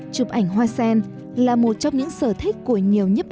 chụp ảnh hoa sen là một trong những sở thích của nhiều nhất